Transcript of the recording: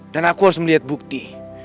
dan aku harus melihat bukti